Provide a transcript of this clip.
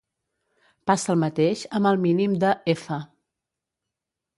Passa el mateix amb el mínim de "f".